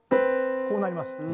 こうなります。